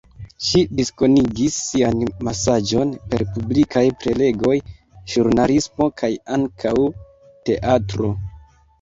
Ŝi diskonigis sian mesaĝon per publikaj prelegoj, ĵurnalismo kaj ankaŭ teatro.